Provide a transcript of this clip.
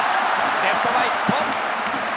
レフト前ヒット。